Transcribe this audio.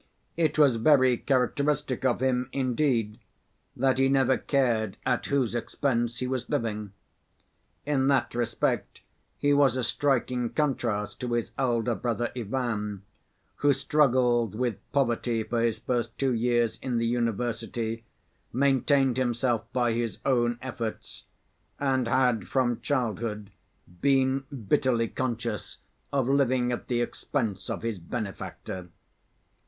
It was very characteristic of him, indeed, that he never cared at whose expense he was living. In that respect he was a striking contrast to his elder brother Ivan, who struggled with poverty for his first two years in the university, maintained himself by his own efforts, and had from childhood been bitterly conscious of living at the expense of his benefactor.